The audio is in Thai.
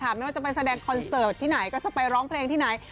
ไม่ว่าจะไปแสดงคอนเสิร์ตที่ไหนก็จะไปร้องเพลงที่ไหน